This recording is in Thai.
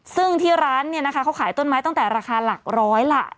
ซึ่งที่ร้านเนี่ยนะคะเขาขายต้นไม้ตั้งแต่ราคาหลักร้อยล่ะ